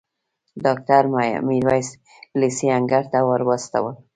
ډاکټر میرویس لېسې انګړ ته وروستلو.